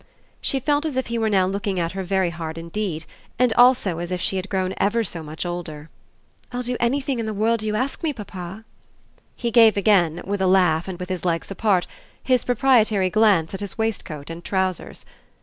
She felt as if he were now looking at her very hard indeed, and also as if she had grown ever so much older. "I'll do anything in the world you ask me, papa." He gave again, with a laugh and with his legs apart, his proprietary glance at his waistcoat and trousers.